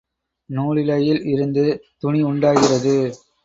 நூலிழையில் இருந்து துணி உண்டாகிறது.